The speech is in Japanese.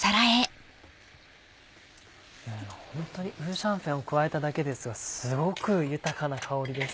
ホントに五香粉を加えただけですがすごく豊かな香りです。